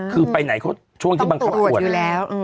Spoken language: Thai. คือไปไหนเขาช่วงที่บังคับตรวจ